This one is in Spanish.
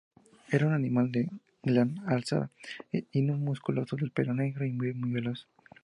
Era un animal de gran alzada y musculoso, de pelo negro y muy veloz.